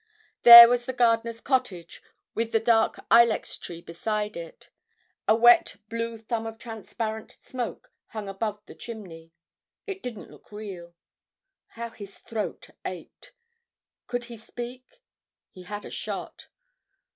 There was the gardener's cottage, with the dark ilex tree beside it. A wet, blue thumb of transparent smoke hung above the chimney. It didn't look real. How his throat ached! Could he speak? He had a shot.